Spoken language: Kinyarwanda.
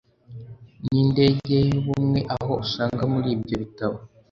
n'indegey'ubumwe, aho usanga muri ibyo bitabo